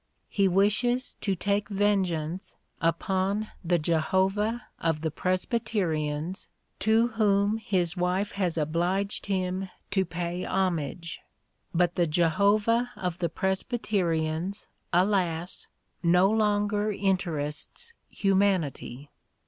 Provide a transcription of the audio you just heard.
He wishes to take ven geance upon the Jehovah of the Presbyterians to whom his wife has obliged him to pay homage; but the Jehovah of the Presbyterians, alas! no longer interests humanity.